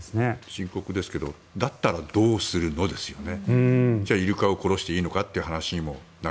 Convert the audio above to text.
深刻ですけどだったらどうするの？ですよね。